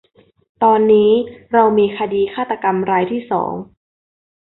ตอนนี้เรามีคดีฆาตกรรมรายที่สอง